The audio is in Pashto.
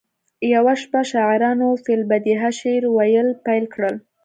یوه شپه شاعرانو فی البدیهه شعر ویل پیل کړل